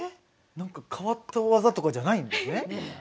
変わった技とかじゃないんですね。